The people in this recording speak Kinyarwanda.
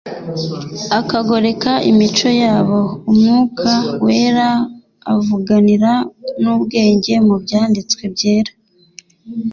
akagoreka imico yabo. Umwuka wera avuganira n'ubwenge mu byanditswe byera